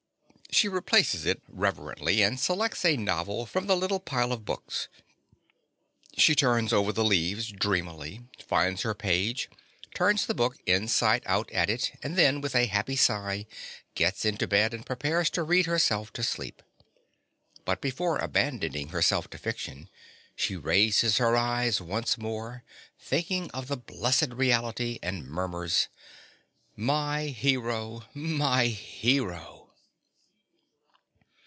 (_She replaces it reverently, and selects a novel from the little pile of books. She turns over the leaves dreamily; finds her page; turns the book inside out at it; and then, with a happy sigh, gets into bed and prepares to read herself to sleep. But before abandoning herself to fiction, she raises her eyes once more, thinking of the blessed reality and murmurs_) My hero! my hero!